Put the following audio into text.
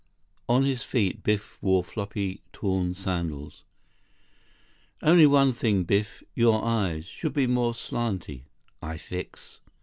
On his feet, Biff wore floppy, torn sandals. "Only one thing, Biff. Your eyes. Should be more slanty. I fix."